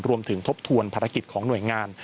รวมถึงทบทวนภารกิจของหน่วยงาน